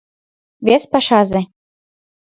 Вес пашазе.